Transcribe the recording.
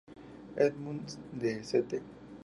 Edmunds, de St.